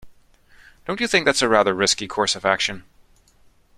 Don't you think that's a rather risky course of action?